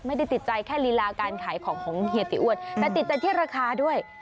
ไม่ได้ติดใจแค่ลีลาการขายของของเฮียติอ้วนแต่ติดใจที่ราคาด้วย